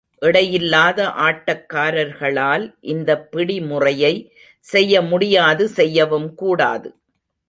எடையில்லாத ஆட்டக் காரர்களால் இந்தப் பிடி முறையை செய்ய முடியாது செய்யவும் கூடாது.